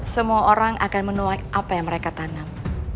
semua orang akan menuai apa yang mereka tanam